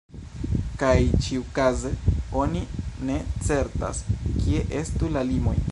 Kaj ĉiukaze oni ne certas kie estu la limoj.